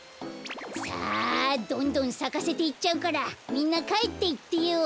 さあどんどんさかせていっちゃうからみんなかえっていってよ。